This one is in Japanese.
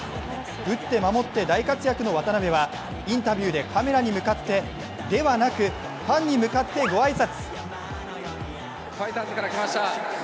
打って守って大活躍の渡邉はインタビューでカメラに向かってではなくファンに向かってご挨拶。